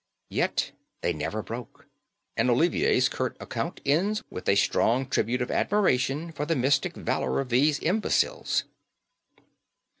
Yet they never broke; and Olivier's curt account ends with a strong tribute of admiration for the mystic valour of these imbeciles.